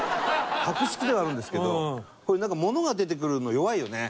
博識ではあるんですけどこういうなんかものが出てくるの弱いよね。